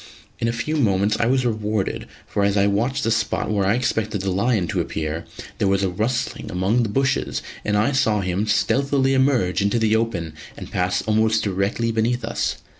In a few moments I was rewarded, for as I watched the spot where I expected the lion to appear, there was a rustling among the bushes and I saw him stealthily emerge into the open and pass almost directly beneath us.